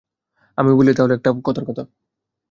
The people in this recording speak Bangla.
আমিও বলি তাহলে একটা কথার কথা।